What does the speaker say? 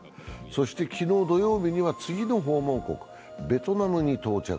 そして昨日、土曜日には次の訪問国、ベトナムに到着。